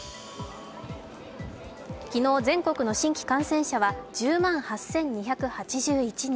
昨日、全国の新規感染者は１０万８２８１人。